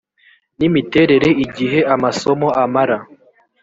n imiterere igihe amasomo amara